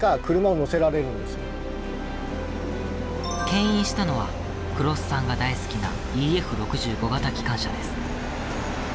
けん引したのは黒須さんが大好きなＥＦ６５形機関車です。